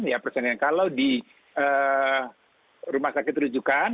ya persennya kalau di rumah sakit rujukan